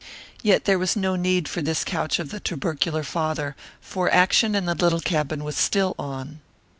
Yet there was no need for this couch of the tubercular father, for action in the little cabin was still on.